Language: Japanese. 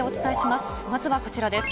まずはこちらです。